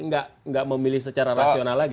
nggak memilih secara rasional lagi